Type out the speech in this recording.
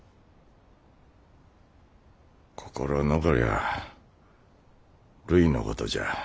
心残りゃあるいのことじゃ。